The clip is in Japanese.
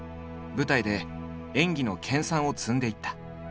舞台で演技の研鑽を積んでいった。